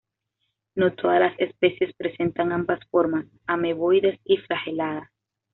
No todas las especies presentan ambas formas, ameboides y flageladas.